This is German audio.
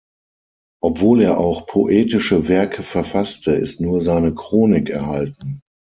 Obwohl er auch poetische Werke verfasste, ist nur seine Chronik erhalten.